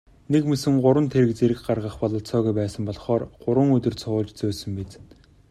Нэгмөсөн гурван тэрэг зэрэг гаргах бололцоогүй байсан болохоор гурван өдөр цувуулж зөөсөн биз.